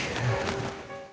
kita akan mulai ber matrix